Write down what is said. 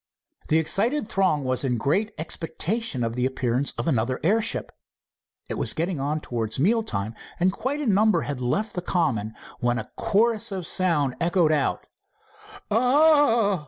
The excited throng was in great expectation of the appearance of another airship. It was getting on towards meal time, and quite a number had left the common, when a chorus of sound echoed out: "A—ah!"